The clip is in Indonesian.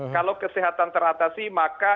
kalau kesehatan teratasi maka